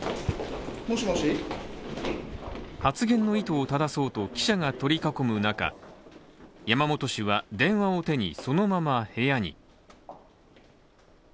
発言の意図をただそうと記者が取り囲む中、山本氏は電話を手に、そのまま、部屋に。